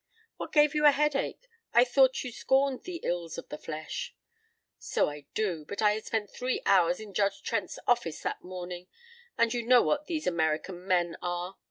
What gave you a headache? I thought you scorned the ills of the flesh." "So I do, but I had spent three hours in Judge Trent's office that morning, and you know what these American men are.